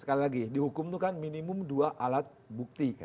sekali lagi dihukum itu kan minimum dua alat bukti